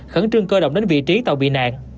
khẩn trương cơ động đến vị trí tàu bị nạn